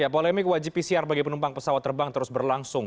polemik wajib pcr bagi penumpang pesawat terbang terus berlangsung